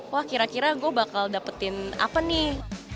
wah kira kira gue bakal dapetin apa nih